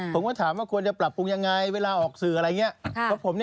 ผมก็ถามว่าควรจะปรับปรุงยังไงเวลาออกสื่ออะไรอย่างนี้